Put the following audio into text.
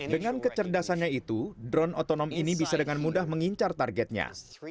dengan kecerdasannya itu drone otonom ini bisa dengan mudah mengincar targetnya